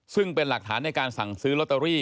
ซึ่งเป็นหลักฐานในการสั่งซื้อลอตเตอรี่